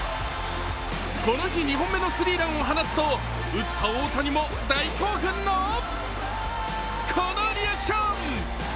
この日２本目のスリーランを放つと打った大谷も大興奮のこのリアクション！